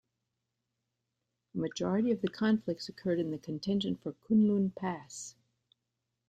A majority of the conflicts occurred in the contention for Kunlun Pass.